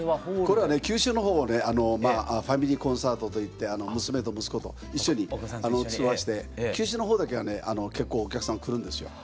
これはね九州の方をねファミリーコンサートといって娘と息子と一緒にツアーして九州の方だけはね結構お客さん来るんですよ。